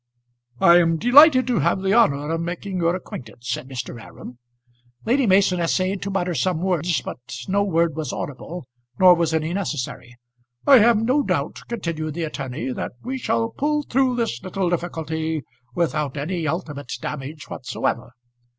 "I am delighted to have the honour of making your acquaintance," said Mr. Aram. Lady Mason essayed to mutter some word; but no word was audible, nor was any necessary. "I have no doubt," continued the attorney, "that we shall pull through this little difficulty without any ultimate damage whatsoever.